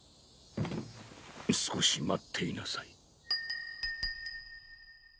少し待っていなさい。